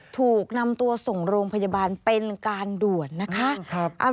ถูกนำตัวส่งโรงพยาบาลเป็นการด่วนนะคะ